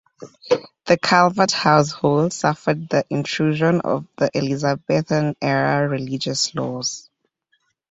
The Calvert household suffered the intrusion of the Elizabethan-era religious laws.